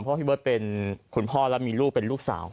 เพราะพี่เบิร์ตเป็นคุณพ่อและมีลูกเป็นลูกสาว